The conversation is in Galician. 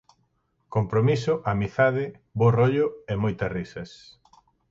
Compromiso, amizade, bo rollo e moitas risas.